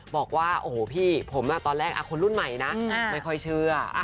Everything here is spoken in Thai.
บอกว่าโอ้โหพี่ผมตอนแรกคนรุ่นใหม่นะไม่ค่อยเชื่อ